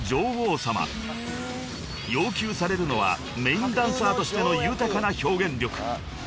［要求されるのはメインダンサーとしての豊かな表現力］